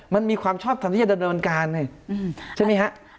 มันมีความชอบทำที่จะดำเนินการใช่ไหมฮะ